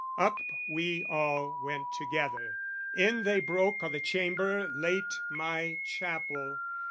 Up we all went together, in they broke O' the chamber late my chapel.